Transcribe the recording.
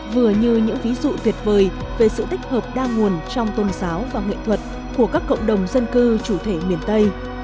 vừa như những ví dụ tuyệt vời về sự tích hợp đa nguồn trong tôn giáo và nghệ thuật của các cộng đồng dân cư chủ thể miền tây